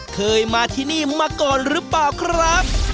เคยมาที่นี่มาก่อนหรือเปล่าครับ